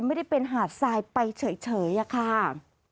ไม่ได้เป็นหาดทรายไปเฉยอะค่ะ